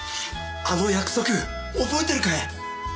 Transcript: あの約束覚えてるかい？